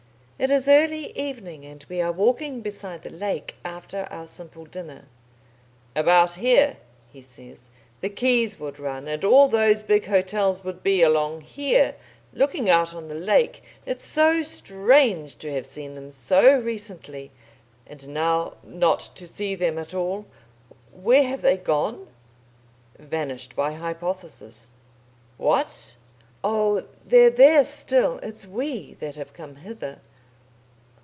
It is early evening, and we are walking beside the lake after our simple dinner. "About here," he says, "the quays would run and all those big hotels would be along here, looking out on the lake. It's so strange to have seen them so recently, and now not to see them at all.... Where have they gone?" "Vanished by hypothesis." "What?" "Oh! They're there still. It's we that have come hither."